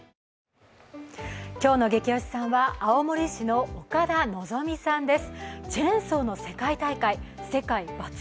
今日の「ゲキ推しさん」は青森市の岡田望さんです。